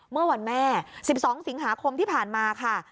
เมื่อวันแม่๑๒สิงหาคมที่ผ่านมาค่ะ